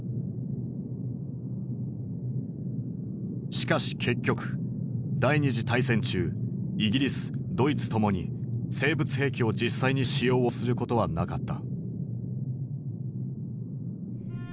しかし結局第二次大戦中イギリスドイツともに生物兵器を実際に使用をすることはなかった。